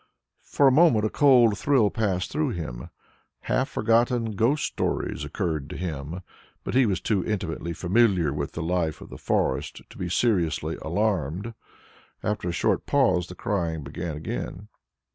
For a moment a cold thrill passed through him; half forgotten ghost stories occurred to him, but he was too intimately familiar with the life of the forest to be seriously alarmed. After a short pause the crying began again.